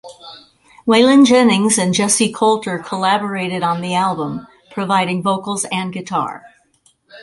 Waylon Jennings and Jessi Colter collaborated on the album, providing vocals and guitar.